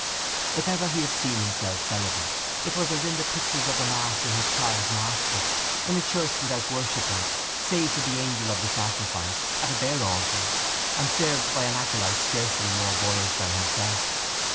_ If ever he had seen himself celebrant it was as in the pictures of the mass in his child's massbook, in a church without worshippers, save for the angel of the sacrifice, at a bare altar, and served by an acolyte scarcely more boyish than himself.